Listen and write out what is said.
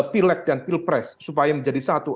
pilek dan pilpres supaya menjadi satu